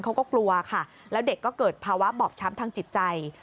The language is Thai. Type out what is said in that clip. เขาก็กลัวค่ะแล้วเด็กก็เกิดภาวะบอบช้ำทางจิตใจ